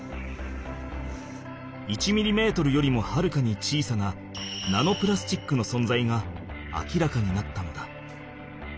１ミリメートルよりもはるかに小さなナノプラスチックのそんざいが明らかになったのだ。